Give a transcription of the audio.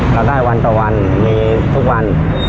เราได้วันต่อวันมีทุกวัน